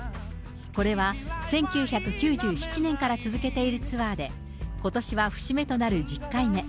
これは１９９７年から続けているツアーで、ことしは節目となる１０回目。